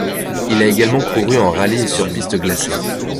Il a également couru en rallyes et sur pistes glacées.